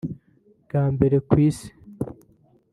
Bwa mbere ku isi